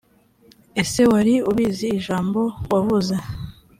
ese wari ubizi ijambo wavuze.